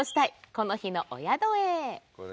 この日のお宿へ。